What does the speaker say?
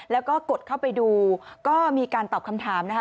แล้วก็กดเข้าไปดูก็มีการตอบคำถามนะคะ